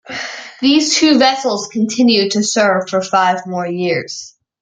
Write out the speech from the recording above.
These two vessels continued to serve for five more years.